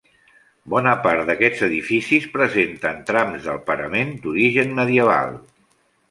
Bona part d'aquests edificis presenten trams del parament d'origen medieval.